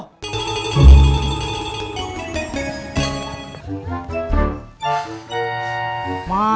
sampai jumpa lo